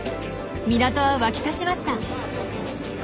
港は沸き立ちました。